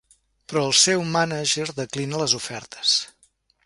Però el seu mànager declina les ofertes.